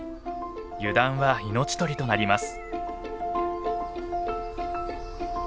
油断は命取りとなります。